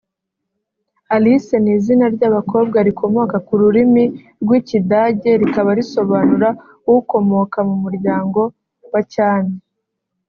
Alice ni izina ry’abakobwa rikomoka ku rurimi rw’Ikidage rikaba risobanura “Ukomoka mu muryango wa cyami”